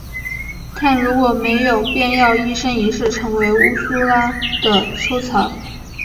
但如果没有便要一生一世成为乌苏拉的收藏。